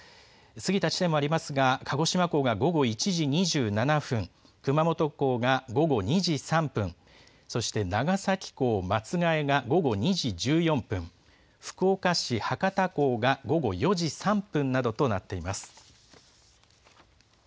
過ぎた地点もありますが、鹿児島港が午後１時２７分、熊本港が午後２時３分、そして長崎港松が枝が午後２時１４分、福岡市博多港が午後４時３分などとなっています。